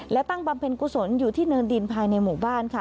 และตั้งบำเพ็ญกุศลอยู่ที่เนินดินภายในหมู่บ้านค่ะ